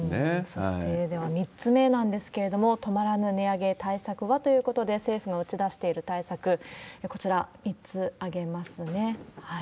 そして、では３つ目なんですけれども、止まらぬ値上げ、対策はということで、政府が打ち出している対策、こちら、３つ挙げますね。